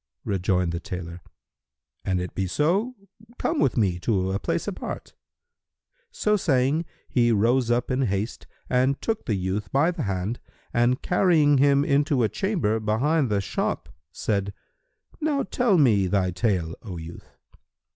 Rejoined the tailor, "An it be so, come with me to a place apart." So saying, he rose up in haste and took the youth by the hand and carrying him into a chamber behind the shop, said, "Now tell me thy tale, O youth!"